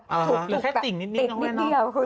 หรือแค่ติ่งนิดน้องแม่น้อง